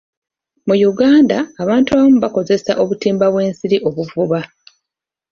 Mu Uganda, abantu abamu bakozesa obutimba bw'ensiri okuvuba.